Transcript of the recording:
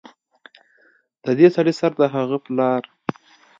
ددې سړي سره د هغه پلار